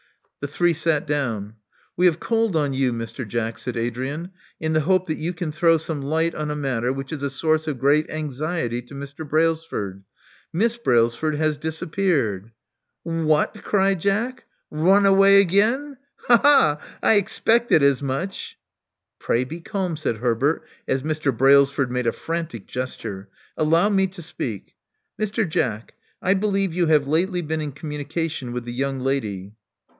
The three sat down. We have called on you, Mr. Jack," said Adrian, *'in the hope that you can throw some light on a matter which is a source of great anxiety to Mr. Brailsford. Miss Brailsford has disappeared "What!" cried Jack. Run away again. Ha! ha! I expected as much." Pray be calm," said Herbert, as Mr. Brailsford made a frantic gesture. Allow me to speak. Mr. Jack : I believe you have lately been in communication with the young lady."